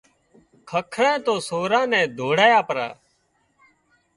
ککرانئي تو سوران نين هوزواڙيا پرا